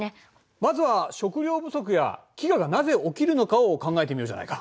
まずは食料不足や飢餓がなぜ起きるのかを考えてみようじゃないか。